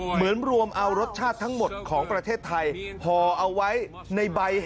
เหมือนรวมเอารสชาติทั้งหมดของประเทศไทย